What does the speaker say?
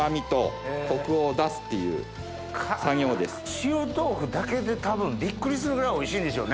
塩豆腐だけで多分びっくりするぐらいおいしいんでしょうね。